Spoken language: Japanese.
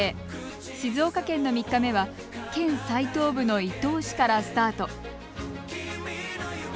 静岡県の３日目は県最東部の伊東市からスタート。